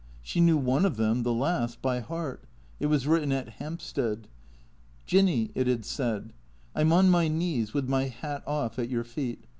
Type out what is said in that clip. She knew one of them, the last, by heart. It was written at Hampstead. " Jinny," it had said, " I 'm on my knees, with my hat off, at your feet.